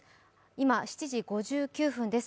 今、７時５９分です